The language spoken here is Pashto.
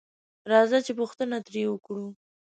راځه چې پوښتنه تري وکړو